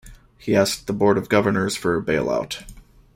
He asked the board of governors for a bailout.